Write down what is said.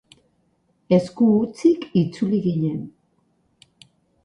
Esku hutsik itzuli ginen.